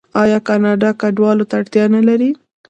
آیا کاناډا کډوالو ته اړتیا نلري؟